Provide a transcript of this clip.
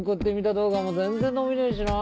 動画も全然伸びねえしなぁ。